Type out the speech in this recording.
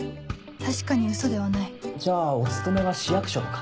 確かにウソではないじゃあお勤めは市役所とか？